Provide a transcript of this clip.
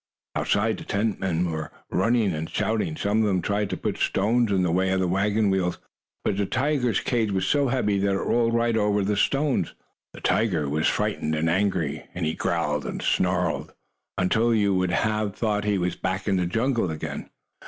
Outside the tent men were running and shouting. Some of them tried to put stones in the way of the wagon wheels, but the tiger's cage was so heavy that it rolled right over the stones. The tiger was frightened and angry, and he growled and snarled, until you would have thought he was back in the jungle again.